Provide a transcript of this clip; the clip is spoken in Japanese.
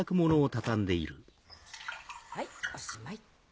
はいおしまい。